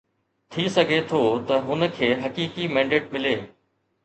ٿي سگهي ٿو هن کي حقيقي مينڊيٽ ملي.